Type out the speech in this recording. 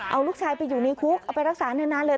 เอาลูกชายไปอยู่ในคุกเอาไปรักษานานเลย